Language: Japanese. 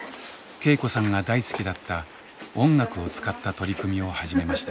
恵子さんが大好きだった音楽を使った取り組みを始めました。